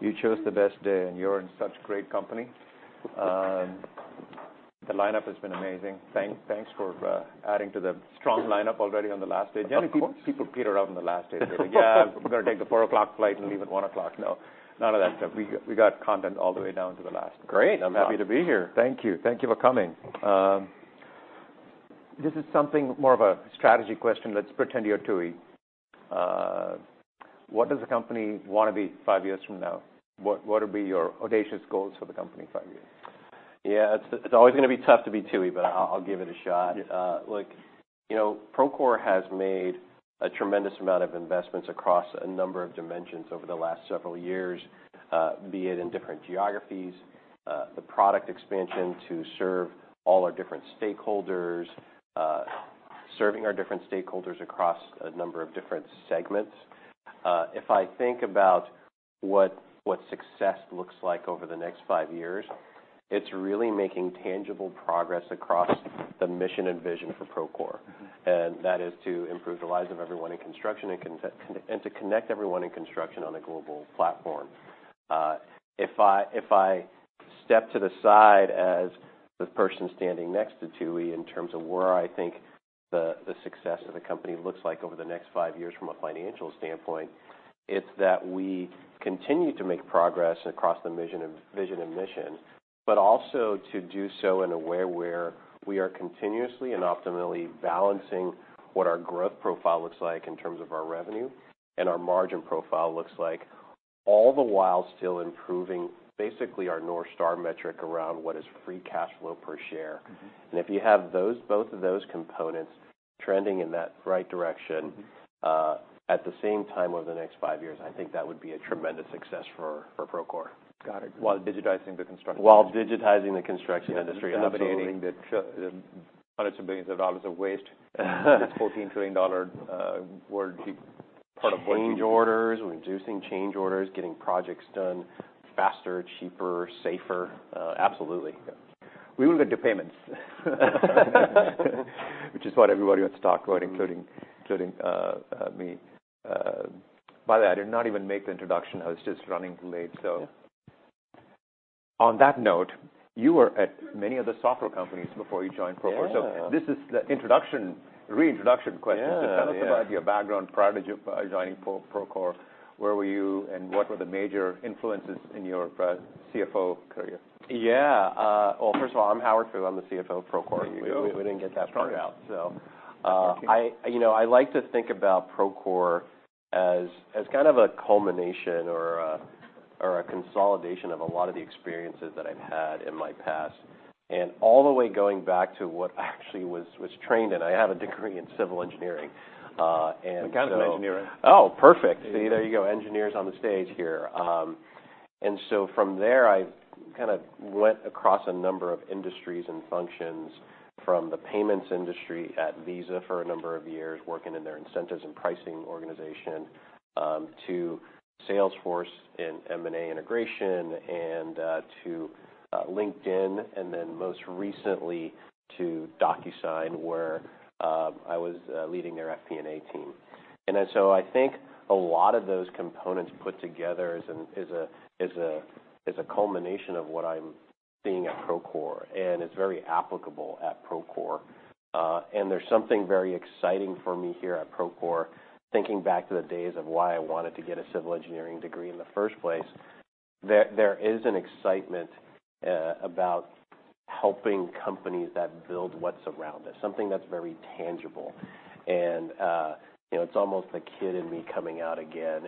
You chose the best day, and you're in such great company. The lineup has been amazing. Thanks for adding to the strong lineup already on the last day. Of course. Generally, people, people peter out on the last day. They're like, "Yeah, I'm gonna take the 4:00 P.M. flight and leave at 1:00 P.M." No, none of that stuff. We got content all the way down to the last. Great, I'm happy to be here. Thank you. Thank you for coming. This is something more of a strategy question. Let's pretend you're Tooey. What does the company want to be five years from now? What, what would be your audacious goals for the company in five years? Yeah, it's always gonna be tough to beat Tooey, but I'll give it a shot. Yeah. Look, you know, Procore has made a tremendous amount of investments across a number of dimensions over the last several years, be it in different geographies, the product expansion to serve all our different stakeholders, serving our different stakeholders across a number of different segments. If I think about what, what success looks like over the next five years, it's really making tangible progress across the mission and vision for Procore. Mm-hmm. And that is to improve the lives of everyone in construction, and to connect everyone in construction on a global platform. If I step to the side as the person standing next to Tooey in terms of where I think the success of the company looks like over the next five years from a financial standpoint, it's that we continue to make progress across the mission and vision, but also to do so in a way where we are continuously and optimally balancing what our growth profile looks like in terms of our revenue and our margin profile looks like, all the while still improving basically our Northstar metric around what is free cash flow per share. Mm-hmm. And if you have those, both of those components trending in that right direction- Mm-hmm at the same time, over the next five years, I think that would be a tremendous success for Procore. Got it. While digitizing the construction industry? While digitizing the construction industry, absolutely. Eliminating the hundreds of billions of dollars of waste. This $14 trillion-dollar world, part of- Change Orders. We're reducing change orders, getting projects done faster, cheaper, safer, absolutely. Yeah. We will get to payments, which is what everybody wants to talk about, including me. By the way, I did not even make the introduction. I was just running late, so- Yeah. On that note, you were at many of the software companies before you joined Procore. Yeah. This is the introduction, reintroduction question. Yeah, yeah. So tell us about your background. Prior to joining Procore, where were you, and what were the major influences in your CFO career? Well, first of all, I'm Howard Fu. I'm the CFO of Procore. There you go. We didn't get that part out, so- Thank you. You know, I like to think about Procore as, as kind of a culmination or a, or a consolidation of a lot of the experiences that I've had in my past, and all the way going back to what actually was, was trained in. I have a degree in civil engineering, and so- I'm kind of an engineer. Oh, perfect. Yeah. See, there you go, engineers on the stage here. I kind of went across a number of industries and functions, from the payments industry at Visa for a number of years, working in their incentives and pricing organization, to Salesforce in M&A integration, and to LinkedIn, and then most recently to DocuSign, where I was leading their FP&A team. I think a lot of those components put together is a culmination of what I'm seeing at Procore, and it's very applicable at Procore. There's something very exciting for me here at Procore, thinking back to the days of why I wanted to get a civil engineering degree in the first place. There is an excitement about helping companies that build what's around us, something that's very tangible. And, you know, it's almost the kid in me coming out again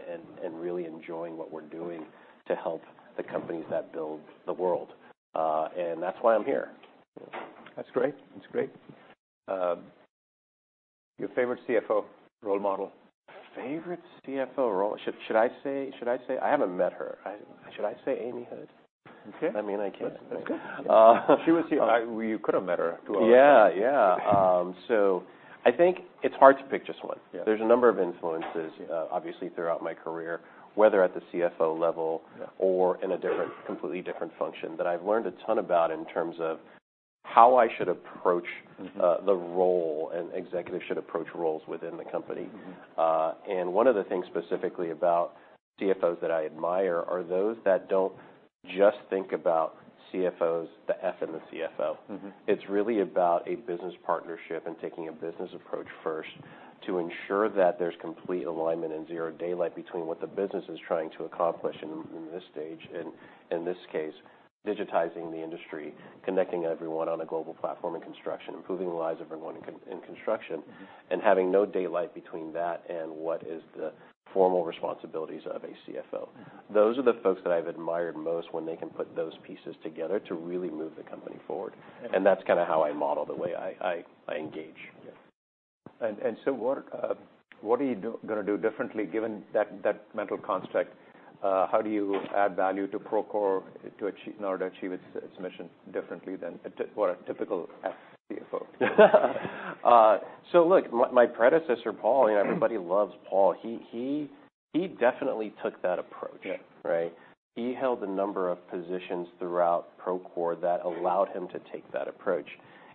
and really enjoying what we're doing to help the companies that build the world. And that's why I'm here. That's great. That's great. Your favorite CFO role model? Favorite CFO role... Should I say... I haven't met her. Should I say Amy Hood? Okay. I mean, I can. That's, that's good. Uh, She was here. Well, you could have met her two hours ago. Yeah, yeah. So I think it's hard to pick just one. Yeah. There's a number of influences, obviously, throughout my career, whether at the CFO level- Yeah... or in a different, completely different function, that I've learned a ton about in terms of how I should approach- Mm-hmm... the role and executive should approach roles within the company. Mm-hmm. One of the things specifically about CFOs that I admire are those that don't just think about CFOs, the F in the CFO. Mm-hmm. It's really about a business partnership and taking a business approach first to ensure that there's complete alignment and zero daylight between what the business is trying to accomplish in this stage, and in this case, digitizing the industry, connecting everyone on a global platform in construction, improving the lives of everyone in construction. Mm-hmm... and having no daylight between that and what is the formal responsibilities of a CFO. Mm-hmm. Those are the folks that I've admired most when they can put those pieces together to really move the company forward. Yeah. That's kinda how I model the way I engage. Yeah. And so what are you gonna do differently given that mental construct? How do you add value to Procore to achieve, in order to achieve its mission differently than a typical CFO? So look, my predecessor, Paul, you know, everybody loves Paul. He definitely took that approach. Yeah. Right? He held a number of positions throughout Procore that allowed him to take that approach.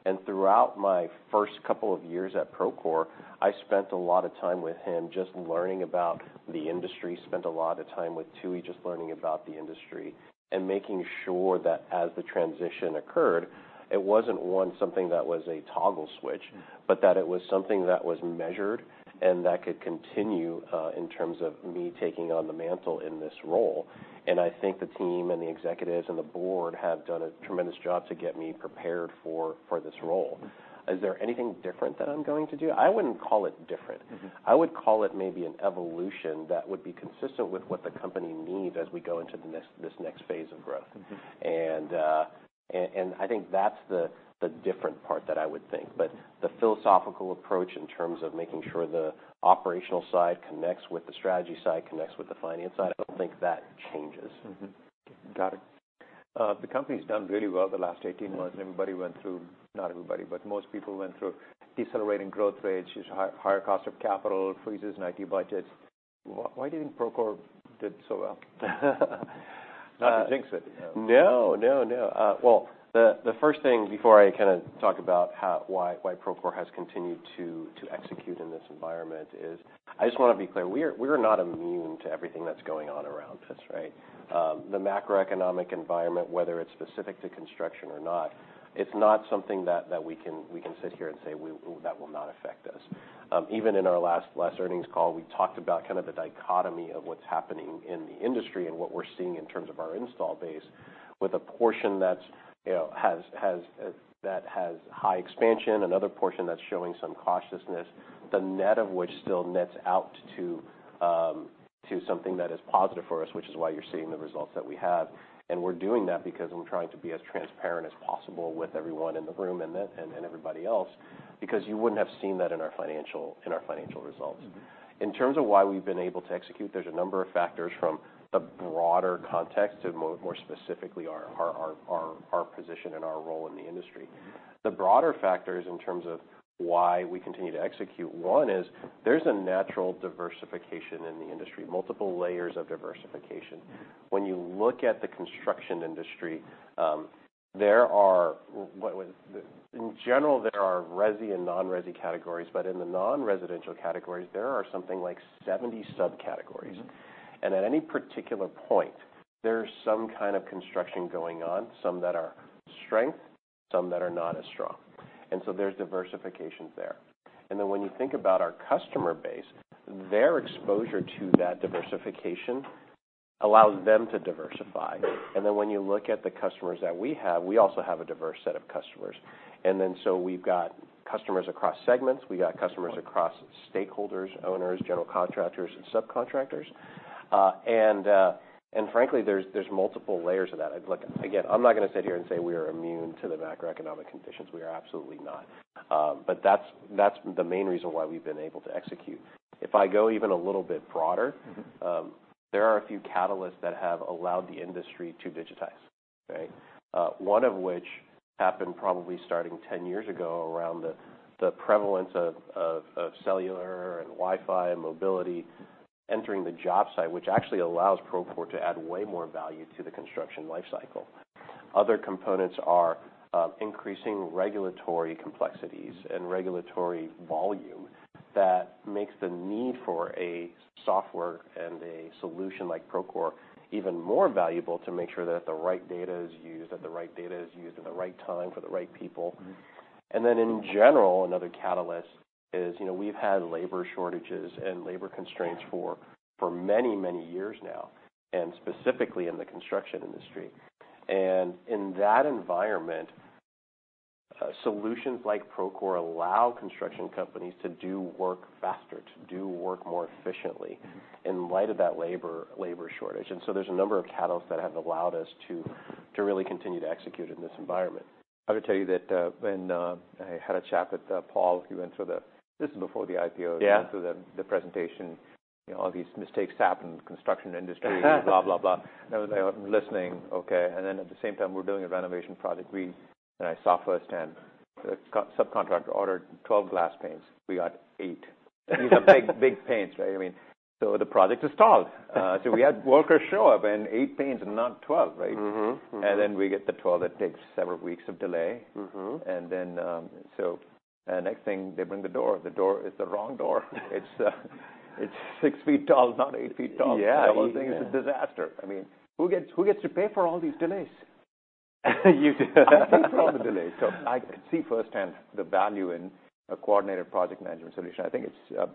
And throughout my first couple of years at Procore, I spent a lot of time with him just learning about the industry. Spent a lot of time with Tooey, just learning about the industry, and making sure that as the transition occurred, it wasn't, one, something that was a toggle switch, but that it was something that was measured and that could continue in terms of me taking on the mantle in this role. And I think the team, and the executives, and the board have done a tremendous job to get me prepared for this role. Is there anything different that I'm going to do? I wouldn't call it different. Mm-hmm. I would call it maybe an evolution that would be consistent with what the company needs as we go into the next, this next phase of growth. Mm-hmm. I think that's the different part that I would think. But the philosophical approach, in terms of making sure the operational side connects with the strategy side, connects with the finance side, I don't think that changes. Mm-hmm. Got it. The company's done really well the last 18 months, and everybody went through, not everybody, but most people went through decelerating growth rates, higher cost of capital, and freezes in IT budgets. Why do you think Procore did so well? Not to jinx it. No, no, no. Well, the, the first thing, before I kinda talk about how, why, why Procore has continued to, to execute in this environment, is I just wanna be clear, we are, we are not immune to everything that's going on around us, right? The macroeconomic environment, whether it's specific to construction or not, it's not something that, that we can, we can sit here and say, "Well, that will not affect us." Even in our last, last earnings call, we talked about kind of the dichotomy of what's happening in the industry and what we're seeing in terms of our install base, with a portion that's, you know, has, has, that has high expansion, another portion that's showing some cautiousness. The net of which still nets out to something that is positive for us, which is why you're seeing the results that we have. And we're doing that because we're trying to be as transparent as possible with everyone in the room, and then everybody else, because you wouldn't have seen that in our financial results. Mm-hmm. In terms of why we've been able to execute, there's a number of factors, from the broader context to more specifically, our position and our role in the industry. Mm-hmm. The broader factors, in terms of why we continue to execute, one is there's a natural diversification in the industry, multiple layers of diversification. Mm-hmm. When you look at the construction industry, there are, In general, there are resi and non-resi categories, but in the non-residential categories, there are something like 70 sub-categories. Mm-hmm. At any particular point, there's some kind of construction going on, some that are strong, some that are not as strong, and so there's diversification there. When you think about our customer base, their exposure to that diversification allows them to diversify. When you look at the customers that we have, we also have a diverse set of customers. So we've got customers across segments. We've got customers across stakeholders, owners, general contractors, and subcontractors. And frankly, there's multiple layers of that. Look, again, I'm not gonna sit here and say we are immune to the macroeconomic conditions. We are absolutely not. But that's the main reason why we've been able to execute. If I go even a little bit broader, Mm-hmm ...there are a few catalysts that have allowed the industry to digitize, right? One of which happened probably starting 10 years ago, around the prevalence of cellular, and Wi-Fi, and mobility entering the job site, which actually allows Procore to add way more value to the construction life cycle. Other components are increasing regulatory complexities and regulatory volume that makes the need for a software and a solution like Procore even more valuable, to make sure that the right data is used, that the right data is used at the right time for the right people. Mm-hmm. And then, in general, another catalyst is, you know, we've had labor shortages and labor constraints for many, many years now, and specifically in the construction industry. And in that environment, solutions like Procore allow construction companies to do work faster, to do work more efficiently, Mm-hmm... in light of that labor shortage. And so there's a number of catalysts that have allowed us to really continue to execute in this environment. I would tell you that when I had a chat with Paul, he went through the, this is before the IPO. Yeah. He went through the presentation, you know, all these mistakes happen in the construction industry, blah, blah, blah. And I was like, listening, okay. And then, at the same time, we're doing a renovation project. And I saw firsthand, the subcontractor ordered 12 glass panes, we got eight. These are big, big panes, right? I mean, so the project is stalled. So we had workers show up, and eight panes, and not 12, right? Mm-hmm. Mm-hmm. Then we get the 12. It takes several weeks of delay. Mm-hmm. And then, so, next thing, they bring the door. The door is the wrong door. It's, it's six feet tall, not eight feet tall. Yeah. The whole thing is a disaster. I mean, who gets, who gets to pay for all these delays? You do. I pay for all the delays, so I can see firsthand the value in a coordinated project management solution. I think it's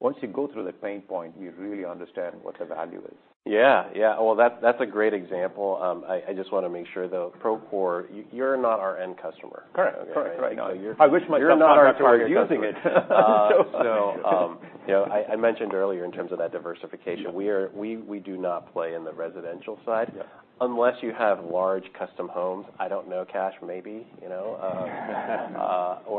once you go through the pain point, you really understand what the value is. Yeah. Yeah. Well, that's a great example. I just wanna make sure, though, Procore, you're not our end customer. Correct. Okay. Correct. Correct. So you're- I wish myself- You're not our target customer. So... So, you know, I mentioned earlier, in terms of that diversification- Yeah... we are. We do not play in the residential side. Yeah. Unless you have large custom homes, I don't know, Kash, maybe, you know?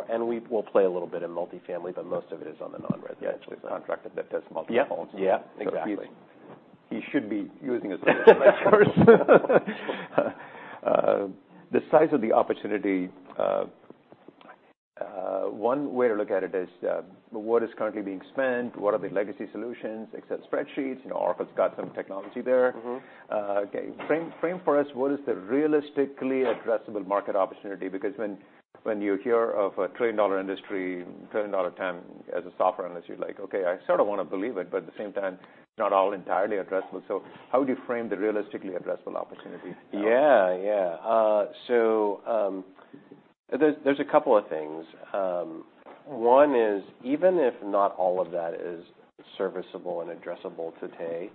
And we will play a little bit in multifamily, but most of it is on the non-residential. Yeah. It's a contractor that does multifamily. Yeah. Yeah, exactly. He should be using us as a benchmark. The size of the opportunity, one way to look at it is, what is currently being spent? What are the legacy solutions, Excel spreadsheets? You know, Oracle's got some technology there. Mm-hmm. Okay, frame, frame for us, what is the realistically addressable market opportunity? Because when you hear of a trillion-dollar industry, trillion-dollar TAM, as a software analyst, you're like, "Okay, I sort of want to believe it, but at the same time, it's not all entirely addressable." So how would you frame the realistically addressable opportunity? Yeah, yeah. So, there's a couple of things. One is, even if not all of that is serviceable and addressable today,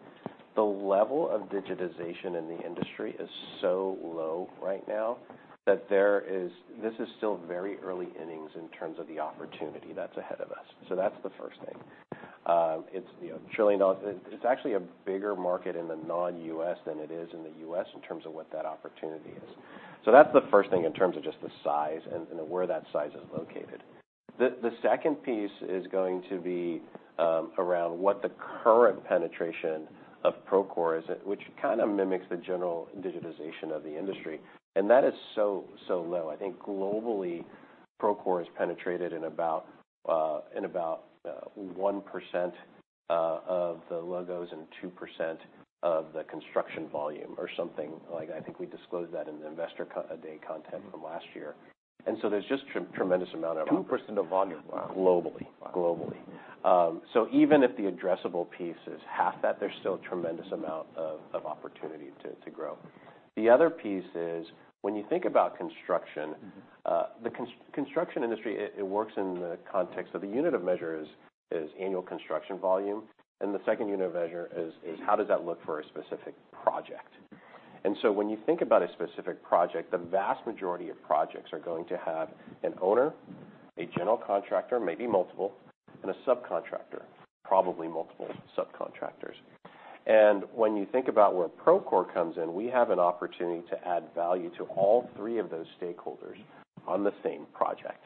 the level of digitization in the industry is so low right now, that there is, this is still very early innings in terms of the opportunity that's ahead of us. So that's the first thing. It's, you know, $1 trillion. It's actually a bigger market in the non-U.S. than it is in the U.S., in terms of what that opportunity is. So that's the first thing in terms of just the size and where that size is located. The second piece is going to be around what the current penetration of Procore is, which kind of mimics the general digitization of the industry, and that is so, so low. I think globally, Procore is penetrated in about 1% of the logos and 2% of the construction volume or something. Like, I think we disclosed that in the Investor Day content from last year. And so there's just tremendous amount of opportunity. 2% of volume? Wow! Globally. Wow. Globally. So even if the addressable piece is half that, there's still a tremendous amount of opportunity to grow. The other piece is, when you think about construction- Mm-hmm. The construction industry, it works in the context of the unit of measure is annual construction volume, and the second unit of measure is how does that look for a specific project. So when you think about a specific project, the vast majority of projects are going to have an owner, a general contractor, maybe multiple, and a subcontractor, probably multiple subcontractors. And when you think about where Procore comes in, we have an opportunity to add value to all three of those stakeholders on the same project.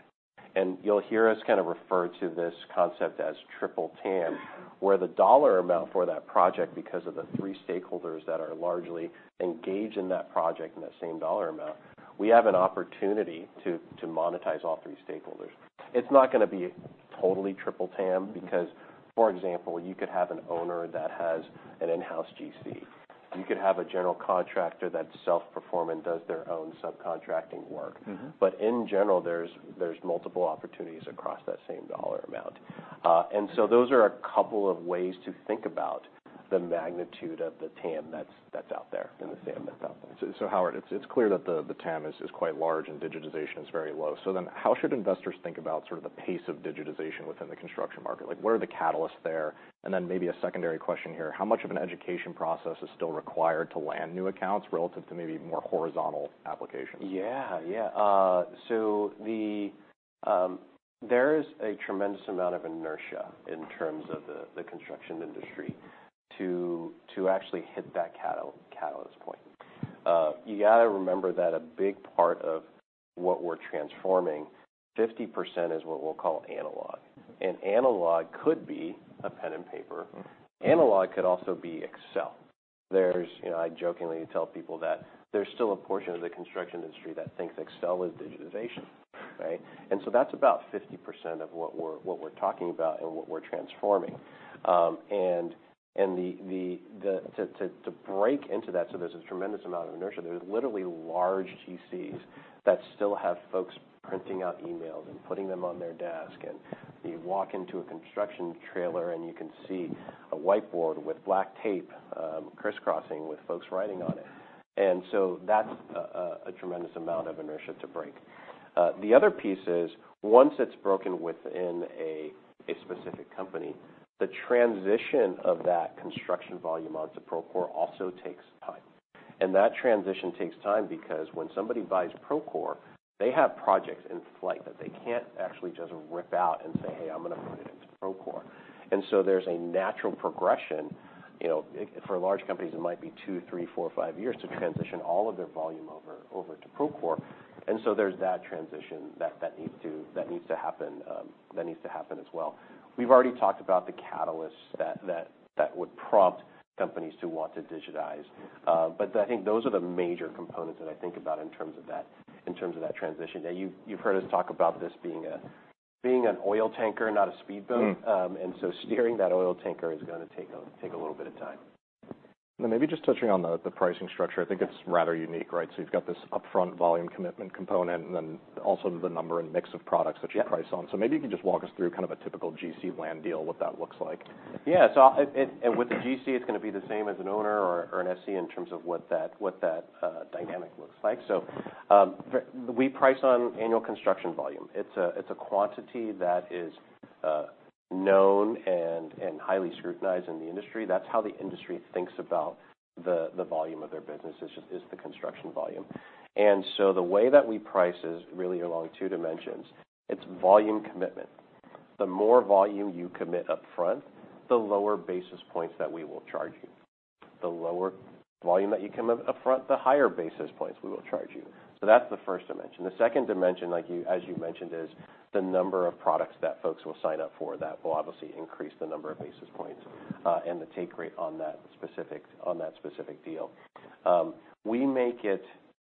And you'll hear us kind of refer to this concept as triple TAM, where the dollar amount for that project, because of the three stakeholders that are largely engaged in that project, in that same dollar amount, we have an opportunity to monetize all three stakeholders. It's not gonna be totally triple TAM because, for example, you could have an owner that has an in-house GC. You could have a general contractor that self-perform and does their own subcontracting work. Mm-hmm. In general, there's multiple opportunities across that same dollar amount. And so those are a couple of ways to think about the magnitude of the TAM that's out there, and the TAM that's out there. So, Howard, it's clear that the TAM is quite large and digitization is very low. So then, how should investors think about sort of the pace of digitization within the construction market? Like, what are the catalysts there? And then maybe a secondary question here: How much of an education process is still required to land new accounts, relative to maybe more horizontal applications? Yeah, yeah. So there is a tremendous amount of inertia in terms of the construction industry to actually hit that catalyst point. You gotta remember that a big part of what we're transforming, 50% is what we'll call analog, and analog could be a pen and paper. Mm-hmm. Analog could also be Excel. There's, you know, I jokingly tell people that there's still a portion of the construction industry that thinks Excel is digitization, right? And so that's about 50% of what we're talking about and what we're transforming. To break into that, so there's a tremendous amount of inertia, there's literally large GCs that still have folks printing out emails and putting them on their desk. And you walk into a construction trailer, and you can see a whiteboard with black tape crisscrossing with folks writing on it. And so that's a tremendous amount of inertia to break. The other piece is, once it's broken within a specific company, the transition of that construction volume onto Procore also takes time. That transition takes time because when somebody buys Procore, they have projects in flight that they can't actually just rip out and say, "Hey, I'm gonna put it into Procore." And so there's a natural progression. You know, for large companies, it might be two, three, four, or five years to transition all of their volume over to Procore. And so there's that transition that needs to happen as well. We've already talked about the catalysts that would prompt companies to want to digitize. But I think those are the major components that I think about in terms of that transition. Now, you've heard us talk about this being an oil tanker and not a speedboat. Mm. And so steering that oil tanker is gonna take a little bit of time. Maybe just touching on the pricing structure, I think it's rather unique, right? So you've got this upfront volume commitment component, and then also the number and mix of products- Yeah. that you price on. So maybe you can just walk us through kind of a typical GC-led deal, what that looks like. Yeah. So I and with the GC, it's gonna be the same as an owner or an SC in terms of what that dynamic looks like. So we price on annual construction volume. It's a quantity that is known and highly scrutinized in the industry. That's how the industry thinks about the volume of their business, is the construction volume. And so the way that we price is really along two dimensions. It's volume commitment. The more volume you commit upfront, the lower basis points that we will charge you. The lower volume that you come up upfront, the higher basis points we will charge you. So that's the first dimension. The second dimension, like you as you mentioned, is the number of products that folks will sign up for. That will obviously increase the number of basis points and the take rate on that specific deal.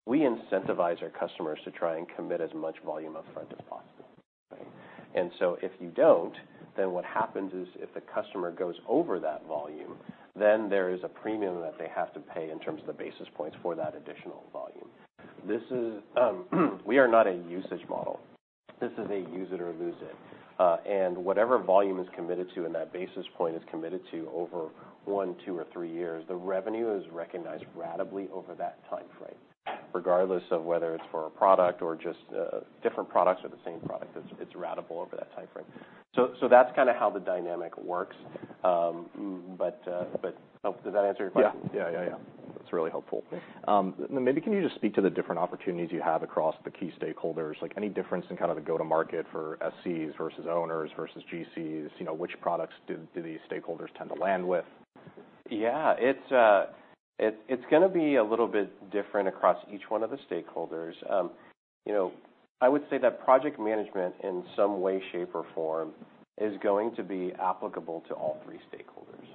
We incentivize our customers to try and commit as much volume upfront as possible, okay? And so if you don't, then what happens is, if the customer goes over that volume, then there is a premium that they have to pay in terms of the basis points for that additional volume. This is, we are not a usage model. This is a use it or lose it. And whatever volume is committed to in that basis point is committed to over one, two, or three years. The revenue is recognized ratably over that time frame, regardless of whether it's for a product or just different products or the same product. It's ratable over that time frame. So that's kind of how the dynamic works. But oh, does that answer your question? Yeah. Yeah, yeah, yeah. That's really helpful. Yeah. Maybe can you just speak to the different opportunities you have across the key stakeholders? Like, any difference in kind of the go-to-market for SCs versus owners, versus GCs? You know, which products do these stakeholders tend to land with? Yeah, it's gonna be a little bit different across each one of the stakeholders. You know, I would say that project management, in some way, shape, or form, is going to be applicable to all three stakeholders.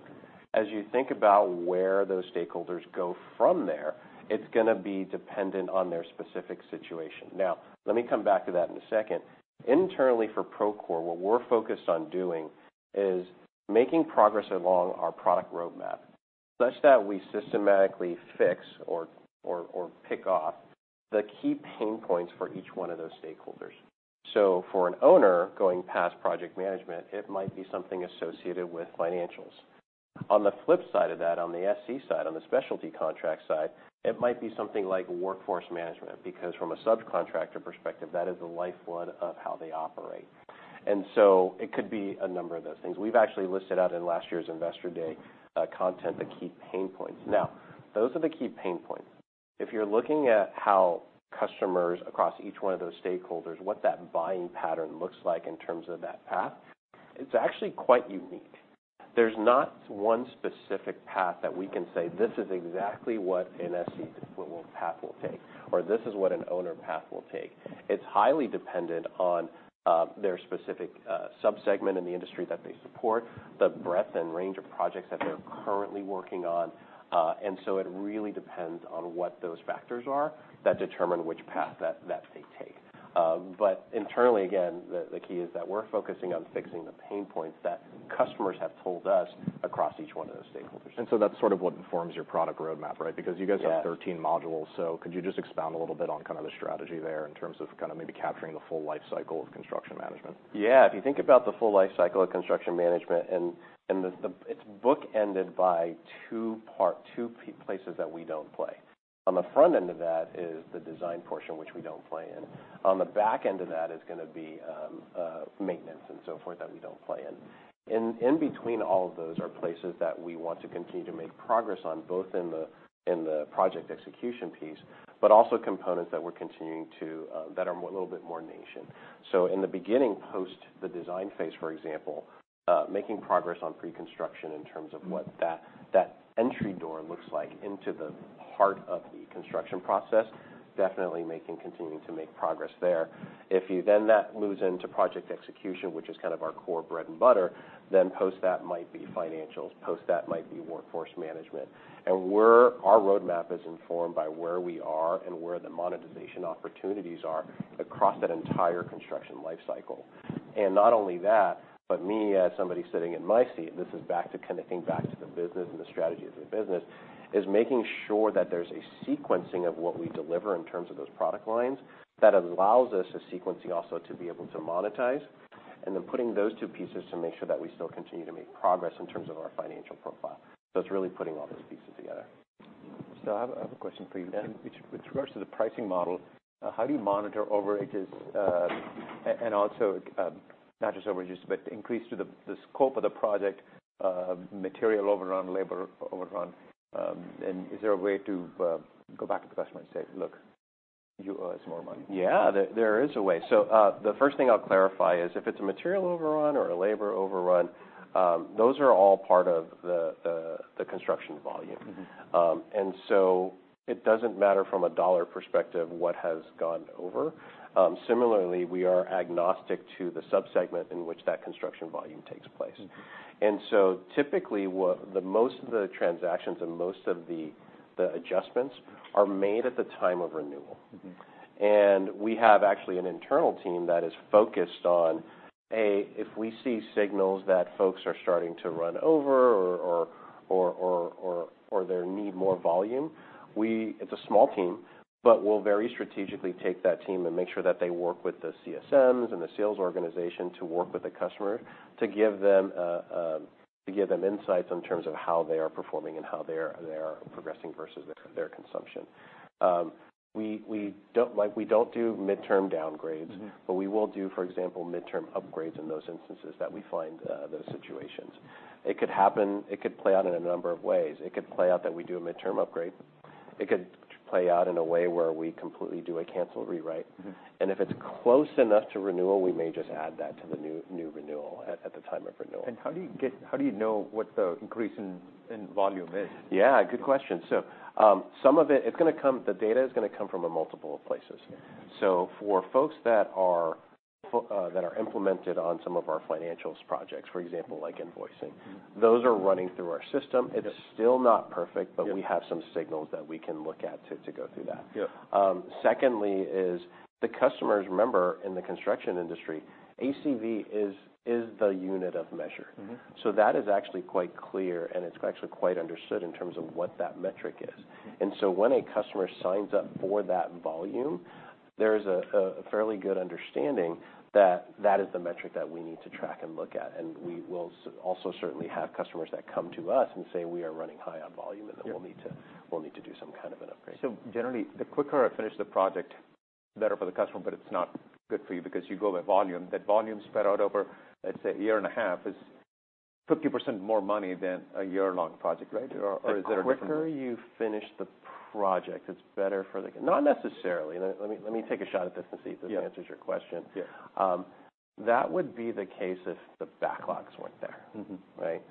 As you think about where those stakeholders go from there, it's gonna be dependent on their specific situation. Now, let me come back to that in a second. Internally, for Procore, what we're focused on doing is making progress along our product roadmap, such that we systematically fix or pick off the key pain points for each one of those stakeholders. So for an owner going past project management, it might be something associated with financials. On the flip side of that, on the SC side, on the specialty contract side, it might be something like workforce management, because from a subcontractor perspective, that is the lifeblood of how they operate. And so it could be a number of those things. We've actually listed out in last year's Investor Day content, the key pain points. Now, those are the key pain points. If you're looking at how customers across each one of those stakeholders, what that buying pattern looks like in terms of that path, it's actually quite unique. There's not one specific path that we can say, "This is exactly what an SC path will take," or, "This is what an owner path will take." It's highly dependent on their specific subsegment in the industry that they support, the breadth and range of projects that they're currently working on. And so it really depends on what those factors are that determine which path that, that they take. But internally, again, the key is that we're focusing on fixing the pain points that customers have told us across each one of those stakeholders. That's sort of what informs your product roadmap, right? Yeah. Because you guys have 13 modules. So could you just expound a little bit on kind of the strategy there, in terms of kind of maybe capturing the full life cycle of construction management? Yeah. If you think about the full life cycle of construction management. It's bookended by two places that we don't play. On the front end of that is the design portion, which we don't play in. On the back end of that is gonna be maintenance and so forth, that we don't play in. In between all of those are places that we want to continue to make progress on, both in the project execution piece, but also components that we're continuing to that are more, a little bit more nascent. So in the beginning, post the design phase, for example, making progress on pre-construction in terms of what that entry door looks like into the heart of the construction process, definitely making, continuing to make progress there. Then that moves into project execution, which is kind of our core bread and butter, then post that might be financials, post that might be workforce management. And our roadmap is informed by where we are and where the monetization opportunities are across that entire construction life cycle. And not only that, but me, as somebody sitting in my seat, this is back to, kind of think back to the business and the strategy of the business, is making sure that there's a sequencing of what we deliver in terms of those product lines, that allows us a sequencing also to be able to monetize, and then putting those two pieces to make sure that we still continue to make progress in terms of our financial profile. So it's really putting all those pieces together. I have a question for you. Yeah. With regards to the pricing model, how do you monitor overages, and also, not just overages, but increase to the scope of the project, material overrun, labor overrun? And is there a way to go back to the customer and say, "Look, you owe us more money? Yeah, there is a way. So, the first thing I'll clarify is, if it's a material overrun or a labor overrun, those are all part of the construction volume. Mm-hmm. So it doesn't matter from a dollar perspective, what has gone over. Similarly, we are agnostic to the subsegment in which that construction volume takes place. Mm-hmm. Typically, the most of the transactions and most of the adjustments are made at the time of renewal. Mm-hmm. We have actually an internal team that is focused on, a, if we see signals that folks are starting to run over or they need more volume, we - it's a small team, but we'll very strategically take that team and make sure that they work with the CSMs and the sales organization to work with the customer, to give them insights in terms of how they are performing and how they are progressing versus their consumption. We don't like, we don't do midterm downgrades. Mm-hmm. But we will do, for example, midterm upgrades in those instances that we find those situations. It could happen, it could play out in a number of ways. It could play out that we do a midterm upgrade. It could play out in a way where we completely do a cancel, rewrite. Mm-hmm. And if it's close enough to renewal, we may just add that to the new renewal at the time of renewal. How do you know what the increase in volume is? Yeah, good question. So, some of it, the data is gonna come from a multiple of places. Yeah. So for folks that are implemented on some of our financials projects, for example, like invoicing- Mm-hmm. Those are running through our system. Yeah. It is still not perfect. Yeah But we have some signals that we can look at to go through that. Yeah. Secondly is the customers, remember, in the construction industry, ACV is the unit of measure. Mm-hmm. That is actually quite clear, and it's actually quite understood in terms of what that metric is. Mm-hmm. And so when a customer signs up for that volume, there's a fairly good understanding that that is the metric that we need to track and look at. And we will also certainly have customers that come to us and say, "We are running high on volume. Yeah and then we'll need to do some kind of an upgrade." So generally, the quicker I finish the project, the better for the customer, but it's not good for you because you go by volume. That volume spread out over, let's say, a year and a half, is 50% more money than a year-long project, right? Or, or is it a different- The quicker you finish the project, it's better for the, not necessarily. Let me, let me take a shot at this and see- Yeah - if this answers your question. Yeah. That would be the case if the backlogs weren't there. Mm-hmm. Right?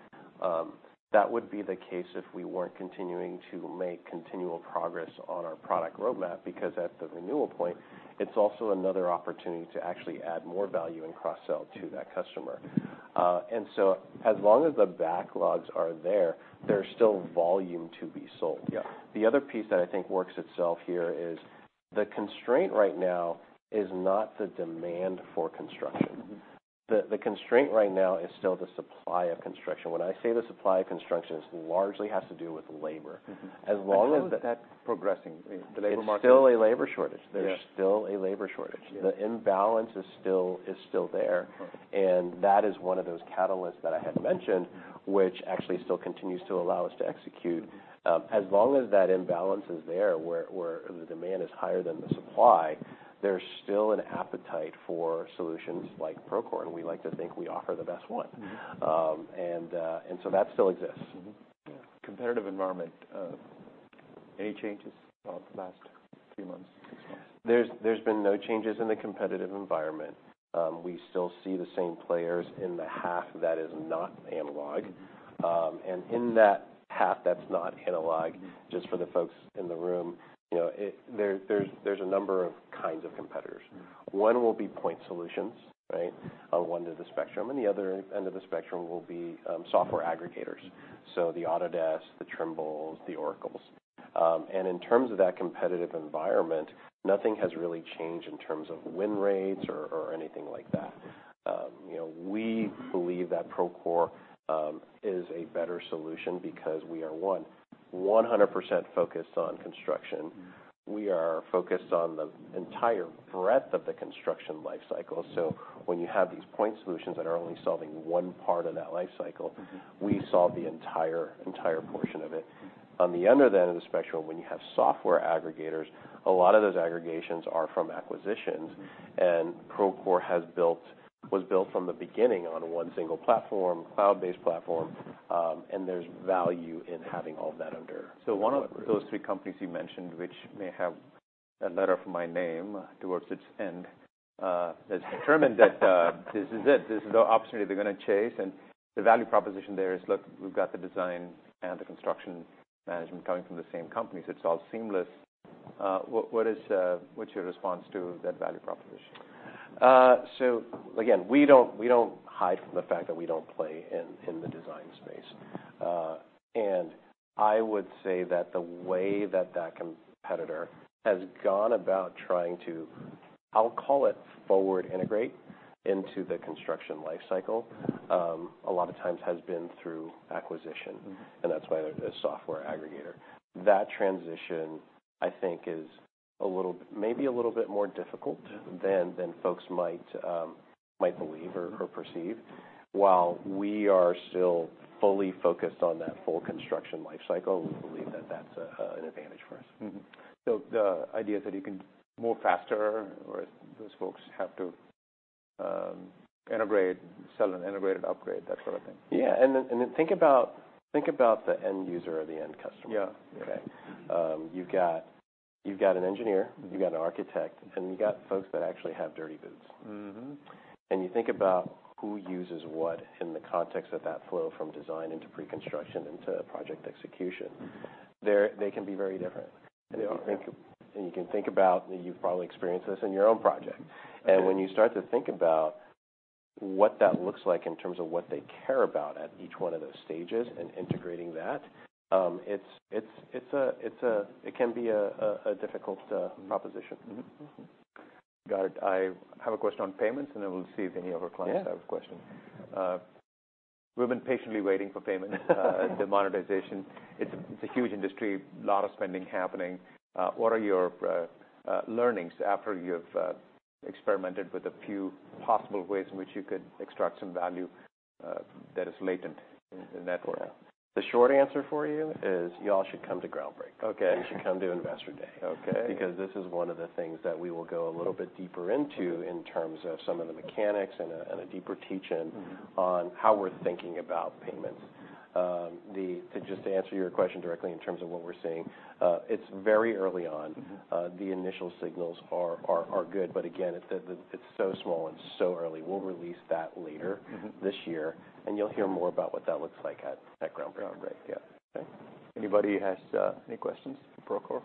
That would be the case if we weren't continuing to make continual progress on our product roadmap, because at the renewal point, it's also another opportunity to actually add more value and cross-sell to that customer. And so as long as the backlogs are there, there's still volume to be sold. Yeah. The other piece that I think works itself here is the constraint right now is not the demand for construction. Mm-hmm. The constraint right now is still the supply of construction. When I say the supply of construction, this largely has to do with labor. Mm-hmm. As long as- How is that progressing, the labor market? It's still a labor shortage. Yeah. There's still a labor shortage. Yeah. The imbalance is still there. Okay. That is one of those catalysts that I had mentioned- Mm-hmm - which actually still continues to allow us to execute. As long as that imbalance is there, where the demand is higher than the supply, there's still an appetite for solutions like Procore, and we like to think we offer the best one. Mm-hmm. And so that still exists. Mm-hmm. Yeah. Competitive environment, any changes over the last few months, six months? There's been no changes in the competitive environment. We still see the same players in the half that is not analog. Mm-hmm. And in that half, that's not analog- Mm-hmm Just for the folks in the room, you know, there's a number of kinds of competitors. Mm-hmm. One will be Point Solutions, right? On one end of the spectrum, and the other end of the spectrum will be software aggregators, so the Autodesk, the Trimble, and the Oracle. And in terms of that competitive environment, nothing has really changed in terms of win rates or, or anything like that. You know, we believe that Procore is a better solution because we are one, 100% focused on construction. Mm-hmm. We are focused on the entire breadth of the construction life cycle. So when you have these point solutions that are only solving one part of that life cycle, Mm-hmm -we solve the entire, entire portion of it. On the other end of the spectrum, when you have software aggregators, a lot of those aggregations are from acquisitions, and Procore has built- was built from the beginning on one single platform, cloud-based platform, and there's value in having all that under. So one of those three companies you mentioned, which may have a letter from my name towards its end, has determined that this is it. This is the opportunity they're gonna chase, and the value proposition there is: Look, we've got the design and the construction management coming from the same company, so it's all seamless. What's your response to that value proposition? So again, we don't hide from the fact that we don't play in the design space. And I would say that the way that competitor has gone about trying to, I'll call it, forward integrate into the construction life cycle, a lot of times has been through acquisition. Mm-hmm. And that's why they're a software aggregator. That transition, I think, is a little, maybe a little bit more difficult- Mm-hmm than folks might believe or perceive. Mm-hmm. While we are still fully focused on that full construction life cycle, we believe that that's an advantage for us. Mm-hmm. So the idea is that you can move faster, or those folks have to, integrate, sell an integrated upgrade, that sort of thing? Yeah, think about the end user or the end customer. Yeah. Okay? You've got an engineer. Mm-hmm You've got an architect, and you've got folks that actually have dirty boots. Mm-hmm. You think about who uses what in the context of that flow from design into pre-construction into project execution. Mm-hmm. There, they can be very different. They are. You can think about, and you've probably experienced this in your own project. Okay. When you start to think about what that looks like in terms of what they care about at each one of those stages and integrating that, it's a difficult proposition. Mm-hmm. Mm-hmm. Got it. I have a question on payments, and then we'll see if any of our clients- Yeah have questions. We've been patiently waiting for payment, the monetization. It's a, it's a huge industry, a lot of spending happening. What are your learnings after you've experimented with a few possible ways in which you could extract some value, that is latent in, in that world? The short answer for you is, y'all should come to Groundbreak. Okay. You should come to Investor Day. Okay. Because this is one of the things that we will go a little bit deeper into in terms of some of the mechanics and a deeper teach-in- Mm-hmm on how we're thinking about payments. To just answer your question directly in terms of what we're seeing, it's very early on. Mm-hmm. The initial signals are good, but again, it's so small and so early. We'll release that later- Mm-hmm. this year, and you'll hear more about what that looks like at Groundbreak, right? Yeah. Okay. Anybody has any questions for Procore?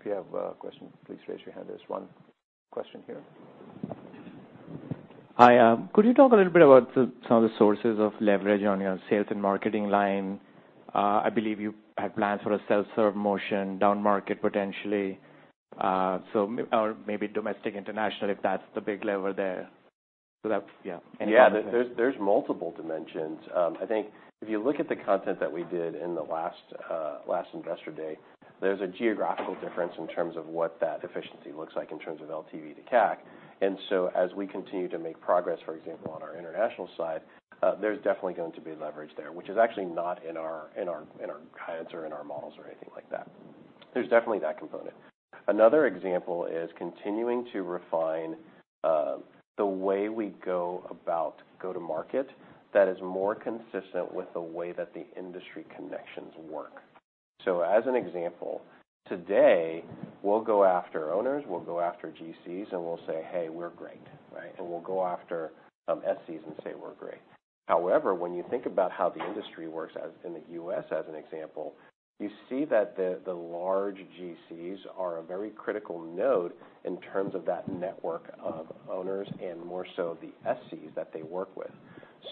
If you have a question, please raise your hand. There's one question here. Hi, could you talk a little bit about some of the sources of leverage on your sales and marketing line? I believe you had plans for a self-serve motion, down market, potentially, so or maybe domestic, international, if that's the big lever there. So that's, yeah. Yeah. There's multiple dimensions. I think if you look at the content that we did in the last Investor Day, there's a geographical difference in terms of what that efficiency looks like in terms of LTV to CAC. And so as we continue to make progress, for example, on our international side, there's definitely going to be leverage there, which is actually not in our guides or in our models or anything like that. There's definitely that component. Another example is continuing to refine the way we go about go-to-market that is more consistent with the way that the industry connections work. So as an example, today, we'll go after owners, we'll go after GCs, and we'll say, "Hey, we're great," right? We'll go after some SCs and say, "We're great." However, when you think about how the industry works, as in the U.S. as an example, you see that the large GCs are a very critical node in terms of that network of owners and more so the SCs that they work with.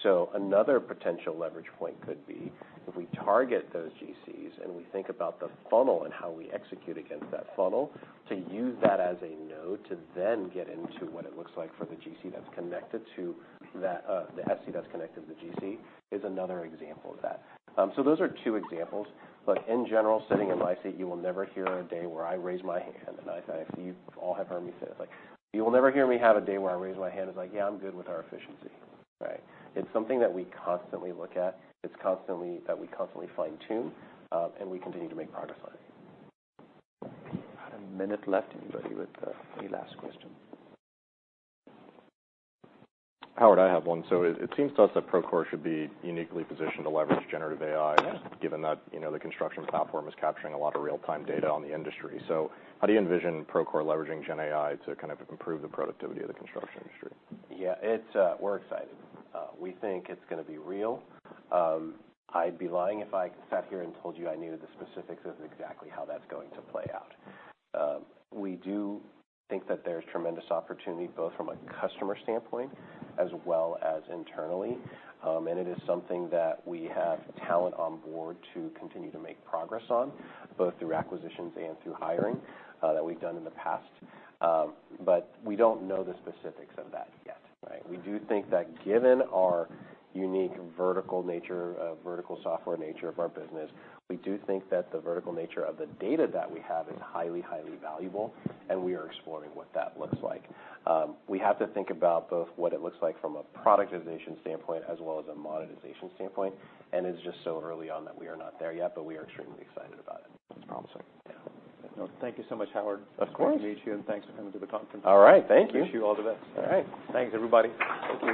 So another potential leverage point could be if we target those GCs, and we think about the funnel and how we execute against that funnel, to use that as a node, to then get into what it looks like for the GC that's connected to that, the SC that's connected to the GC, is another example of that. So those are two examples, but in general, sitting in my seat, you will never hear a day where I raise my hand, and I. You've all have heard me say, it's like, "You will never hear me have a day where I raise my hand and like, 'Yeah, I'm good with our efficiency.'" Right? It's something that we constantly look at, it's constantly, that we constantly fine-tune, and we continue to make progress on it. A minute left. Anybody with any last question? Howard, I have one. So it seems to us that Procore should be uniquely positioned to leverage Generative AI, given that, you know, the construction platform is capturing a lot of real-time data on the industry. So how do you envision Procore leveraging Gen AI to kind of improve the productivity of the construction industry? Yeah, it's, we're excited. We think it's gonna be real. I'd be lying if I sat here and told you I knew the specifics of exactly how that's going to play out. We do think that there's tremendous opportunity, both from a customer standpoint as well as internally, and it is something that we have talent on board to continue to make progress on, both through acquisitions and through hiring that we've done in the past. But we don't know the specifics of that yet, right? We do think that given our unique vertical nature, vertical software nature of our business, we do think that the vertical nature of the data that we have is highly, highly valuable, and we are exploring what that looks like. We have to think about both what it looks like from a productization standpoint as well as a monetization standpoint, and it's just so early on that we are not there yet, but we are extremely excited about it. Awesome. Yeah. Thank you so much, Howard. Of course! Great to meet you, and thanks for coming to the conference. All right, thank you. Wish you all the best. All right. Thanks, everybody. Thank you.